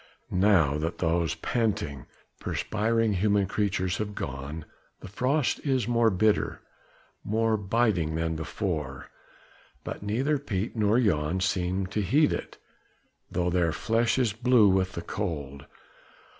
Now that all those panting, perspiring human creatures have gone, the frost is more bitter, more biting than before; but neither Piet nor Jan seem to heed it, though their flesh is blue with the cold.